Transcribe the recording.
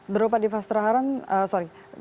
drupadipas traharan sorry